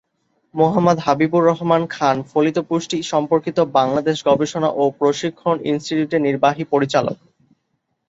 মোহাম্মদ হাবিবুর রহমান খান ফলিত পুষ্টি সম্পর্কিত বাংলাদেশ গবেষণা ও প্রশিক্ষণ ইনস্টিটিউটের নির্বাহী পরিচালক।